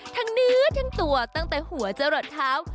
เนื้อทั้งตัวตั้งแต่หัวจะหลดเท้า